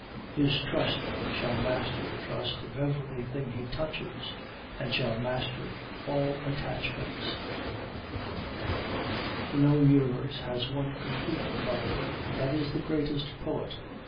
His trust shall master the trust of everything he touches and shall master all attachment. The known universe has one complete lover, and that is the greatest poet.